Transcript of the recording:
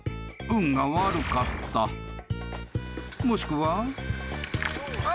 ［もしくは］